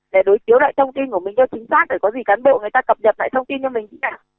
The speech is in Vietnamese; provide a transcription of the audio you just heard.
để đối chiếu lại thông tin của mình cho chính xác để có gì cán bộ người ta cập nhật lại thông tin cho mình thế cả